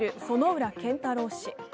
薗浦健太郎氏。